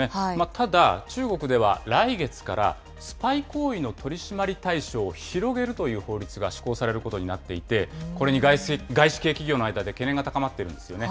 ただ、中国では来月から、スパイ行為の取締り対象を広げるという法律が施行されることになっていて、これに外資系企業の間で懸念が高まっているんですよね。